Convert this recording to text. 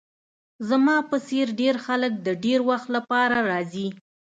زما په څیر ډیر خلک د ډیر وخت لپاره راځي